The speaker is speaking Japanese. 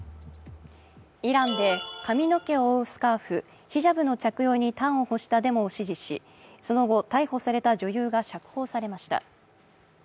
イランで髪の毛を覆うスカーフ、ヒジャブの着用に端を発したデモを支持しその後、逮捕された女優が釈放されました。